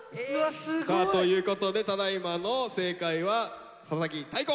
さあということでただいまの正解は佐々木大光！